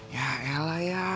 ya elah ya